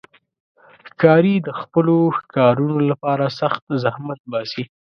ښکاري د خپلو ښکارونو لپاره سخت زحمت باسي.